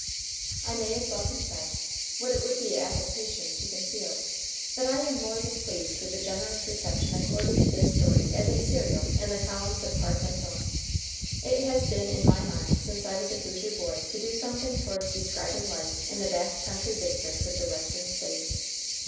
I may as well confess, what it would be affectation to conceal, that I am more than pleased with the generous reception accorded to this story as a serial in the columns of Hearth and Home. It has been in my mind since I was a Hoosier boy to do something toward describing life in the back country districts of the Western States.